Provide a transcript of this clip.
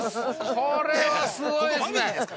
これは、すごいですね。